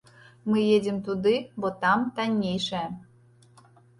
Мы едзем туды, бо там таннейшае.